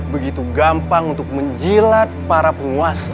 begitu gampang untuk menjilat para penguasa